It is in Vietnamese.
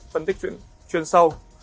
phân tích chuyên sâu